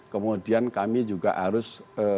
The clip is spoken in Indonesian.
kemudian kami juga harus